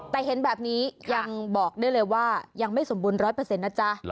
แต่เห็นแบบนี้ยังบอกได้เลยว่ายังไม่สมบูรณ์ร้อยเปอร์เซ็นต์นะจ๊ะ